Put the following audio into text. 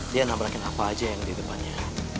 dia nabrakin apa aja yang di depannya